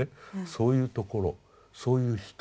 そういうところそういう人。